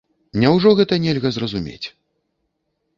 Няўжо гэта нельга зразумець.